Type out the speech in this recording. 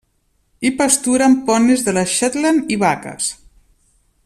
Hi pasturen ponis de les Shetland i vaques.